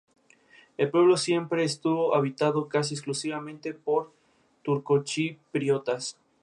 El pueblo siempre estuvo habitado casi exclusivamente por turcochipriotas.